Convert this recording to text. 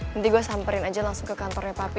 nanti gue samperin aja langsung ke kantornya papi